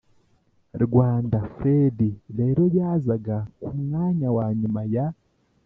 rwanda. «fred» rero yazaga ku mwanya wa nyuma ya